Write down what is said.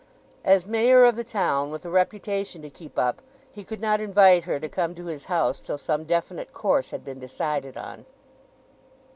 As Mayor of the town, with a reputation to keep up, he could not invite her to come to his house till some definite course had been decided on.